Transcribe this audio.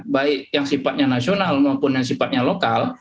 baik yang sifatnya nasional maupun yang sifatnya lokal